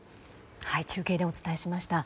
中継でお伝えしました。